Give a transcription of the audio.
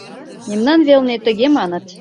Мемнан велне тыге маныт.